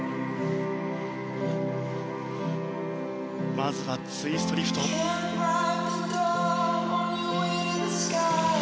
まずはツイストリフト。